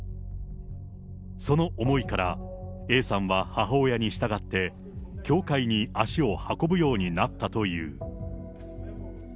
その思いから、Ａさんは母親に従って、教会に足を運ぶようになったという。